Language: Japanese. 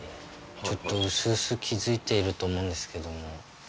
ちょっとうすうす気付いていると思うんですけども。